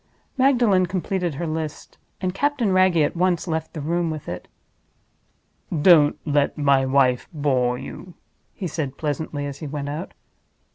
Magdalen completed her list; and Captain Wragge at once left the room with it. "Don't let my wife bore you," he said, pleasantly, as he went out.